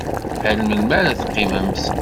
Ar melmi ara teqqimemt?